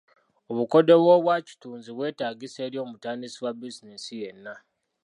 Obukodyo bw'obwakitunzi bwetaagisa eri omutandisi wa bizinensi yenna.